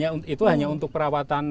ya itu hanya untuk perawatan